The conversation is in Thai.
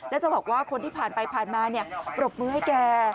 แล้วจะบอกว่าคนที่ผ่านไปผ่านมาปรบมือให้แก